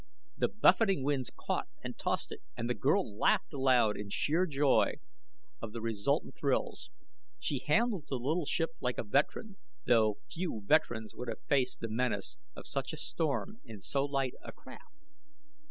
The buffeting winds caught and tossed it, and the girl laughed aloud in sheer joy of the resultant thrills. She handled the little ship like a veteran, though few veterans would have faced the menace of such a storm in so light a craft.